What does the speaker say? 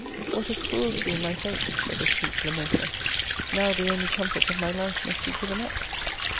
'What a cruelty in my fate!' said the sweet lamenter. 'Now the only comfort of my life must be given up!'